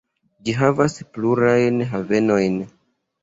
Ĝi havas plurajn havenojn.